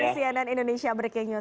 di cnn indonesia breaking news